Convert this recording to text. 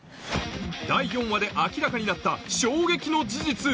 第４話で明らかになった衝撃の事実！！